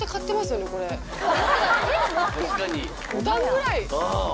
５段ぐらい。